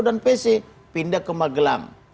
pc pindah ke magelang